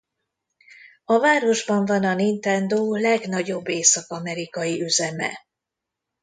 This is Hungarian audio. A városban van a Nintendo legnagyobb észak-amerikai üzeme.